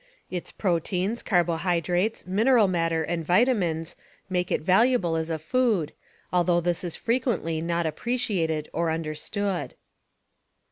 Its proteins, carbohydrates, mineral matter and vitamins make it valuable as a food, although this is frequently not appreciated or understood.